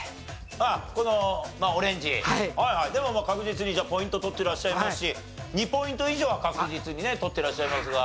でも確実にポイント取ってらっしゃいますし２ポイント以上は確実にね取ってらっしゃいますが。